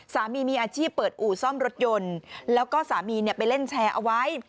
สามีมีอาชีพเปิดอู่ซ่อมรถยนต์แล้วก็สามีไปเล่นแชร์เอาไว้